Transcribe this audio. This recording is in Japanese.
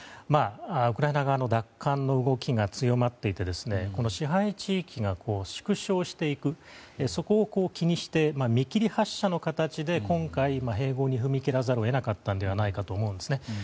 ウクライナ側の奪還の動きが強まっていてこの支配地域が縮小していくそこを気にして見切り発車の形で今回、併合に踏み切らざるを得なかったのではないかと思うんですね。